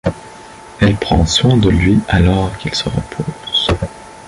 Elle prend soin de lui alors qu'il se repose.